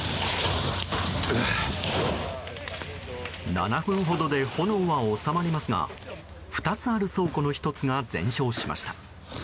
７分ほどで炎は収まりますが２つある倉庫の１つが全焼しました。